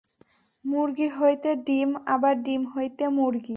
মুরগী হইতে ডিম, আবার ডিম হইতে মুরগী।